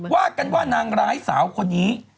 ว่ากันว่านางร้ายสาวคนนี้